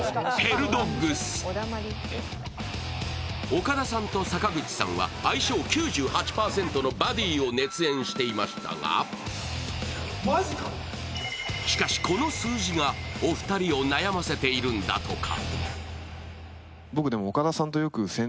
岡田さんと坂口さんは相性９８％のバディを熱演していましたが、しかし、この数字がお二人を悩ませているんだとか。